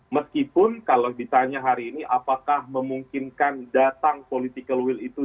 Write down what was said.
meskipun kalau ditanya hari ini apakah memungkinkan datang political will itu